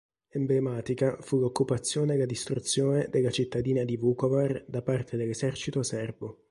Emblematica fu l'occupazione e la distruzione della cittadina di Vukovar da parte dell'esercito serbo.